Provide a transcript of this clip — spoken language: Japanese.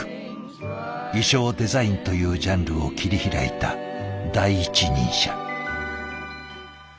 衣装デザインというジャンルを切り開いた第一人者。